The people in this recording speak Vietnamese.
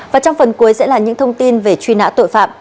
và trong phần cuối sẽ là những thông tin về truy nã tội phạm